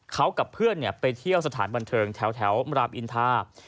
เขากับเพื่อนไปเที่ยวสถานบันเทิงแถวรามอินทา